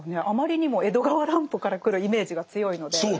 あまりにも江戸川乱歩からくるイメージが強いので。